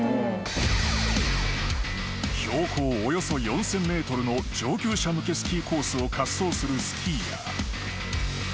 ［標高およそ４，０００ｍの上級者向けスキーコースを滑走するスキーヤー］